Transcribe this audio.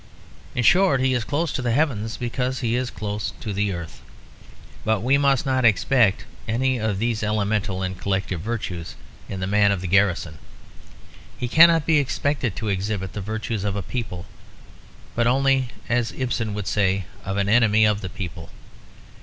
In short, he is close to the heavens because he is close to the earth. But we must not expect any of these elemental and collective virtues in the man of the garrison. He cannot be expected to exhibit the virtues of a people, but only (as Ibsen would say) of an enemy of the people.